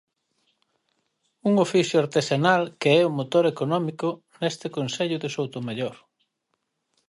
Un oficio artesanal que é o motor económico neste concello de Soutomaior.